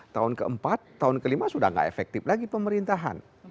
tahun ke empat tahun ke lima sudah tidak efektif lagi pemerintahan